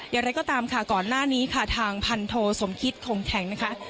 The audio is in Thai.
อย่างไรก็ตามค่ะก่อนหน้านี้ค่ะทางพันโทสมคิตคงแข็งนะคะ